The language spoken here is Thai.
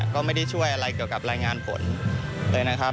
ก็ไม่ได้ช่วยอะไรเกี่ยวกับรายงานผลเลยนะครับ